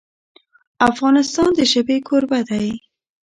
افغانستان د ژبې کوربه دی.